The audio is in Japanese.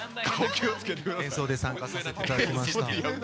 演奏で参加させていただきました。